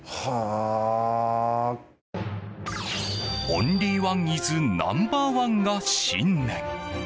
オンリーワンｉｓナンバーワンが信念。